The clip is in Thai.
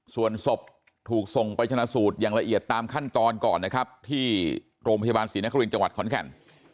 ส่วนศพถูกส่งไปชนะสูตรอย่างละเอียดตามขั้นตอนก่อนนะครับที่โรงพยาบาลศรีนครินทร์จังหวัดขอนแก่น